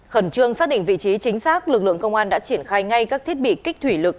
khẩn trương xác định vị trí chính xác lực lượng công an đã triển khai ngay các thiết bị kích thủy lực